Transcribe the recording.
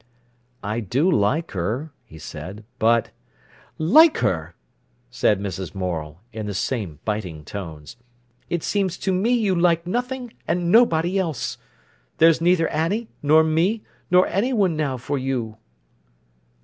"I do like her," he said, "but—" "Like her!" said Mrs. Morel, in the same biting tones. "It seems to me you like nothing and nobody else. There's neither Annie, nor me, nor anyone now for you."